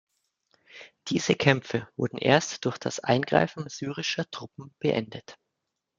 Diese Kämpfe wurden erst durch das Eingreifen syrischer Truppen beendet.